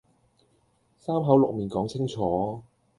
三口六面講清楚